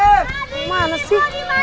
lo dimana sih